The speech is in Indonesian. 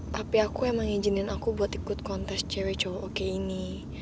papi aku emang izinin aku buat ikut kontes cewe cowok oke ini